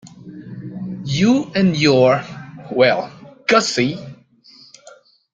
You and your 'Well, Gussie'!